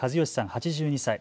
８２歳。